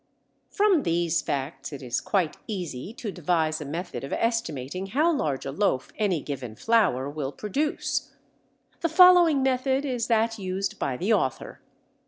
From these facts it is quite easy to devise a method of estimating how large a loaf any given flour will produce. The following method is that used by the author.